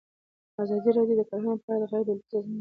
ازادي راډیو د کرهنه په اړه د غیر دولتي سازمانونو رول بیان کړی.